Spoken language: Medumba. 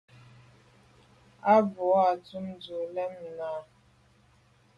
A bwô ndù o tum dù’ z’o lem nà.